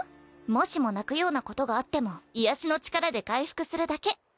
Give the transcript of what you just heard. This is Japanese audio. もしも泣くようなことがあっても癒やしの力で回復するだけ。